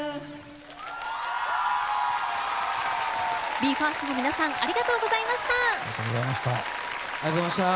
ＢＥ：ＦＩＲＳＴの皆さんありがとうございました。